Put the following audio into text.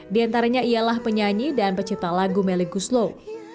di antaranya ialah penyanyi dan pencipta lagu melly guslo